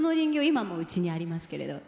今もうちにありますけれど。